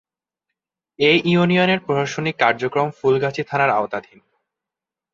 এ ইউনিয়নের প্রশাসনিক কার্যক্রম ফুলগাজী থানার আওতাধীন।